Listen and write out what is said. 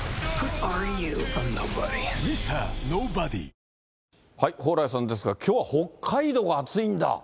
コ蓬莱さんですが、きょうは北海道が暑いんだ。